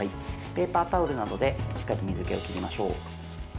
ペーパータオルなどでしっかり水けを切りましょう。